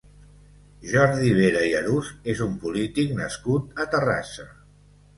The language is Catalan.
Jordi Vera i Arús és un polític nascut a Terrassa.